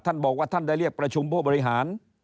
ท่านบอกว่าท่านได้เรียกประชุมผู้บริหาร